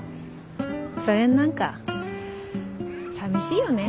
それに何かさみしいよね